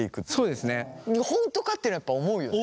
「本当か？」っていうのはやっぱ思うよね？